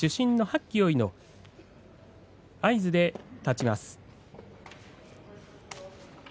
きよいの合図で立ちます。